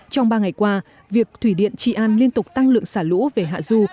trong ba ngày qua việc thủy điện trị an liên tục tăng lượng xả lũ về hạ du